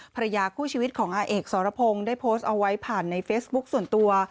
ภรรยาคู่ชีวิตของอาเอกสรพงศ์ได้โพสต์เอาไว้ผ่านในเฟซบุ๊คส่วนตัว